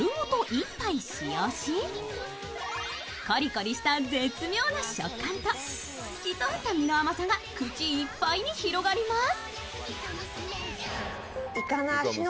コリコリした絶妙な食感と透き通った身の甘さが口いっぱいに広がります。